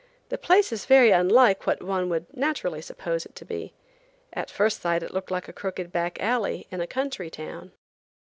The place is very unlike what one would naturally suppose it to be. At first sight it looked like a crooked back alley in a country town.